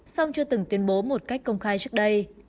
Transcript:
song chưa từng tuyên bố một cách công khai trước đây